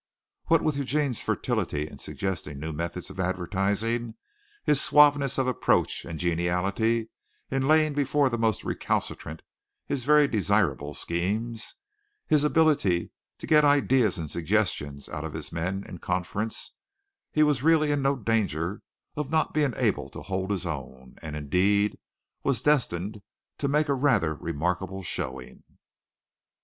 What with Eugene's fertility in suggesting new methods of advertising, his suaveness of approach and geniality in laying before the most recalcitrant his very desirable schemes, his ability to get ideas and suggestions out of his men in conference, he was really in no danger of not being able to hold his own, and indeed was destined to make a rather remarkable showing.